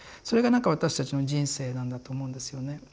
それがなんか私たちの人生なんだと思うんですよね。